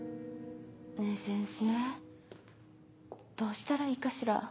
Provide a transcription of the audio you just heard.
ねぇ先生どうしたらいいかしら？